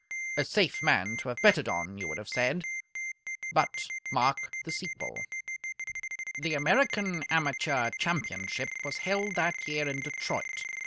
A safe man to have betted on, you would have said. But mark the sequel. The American Amateur Championship was held that year in Detroit.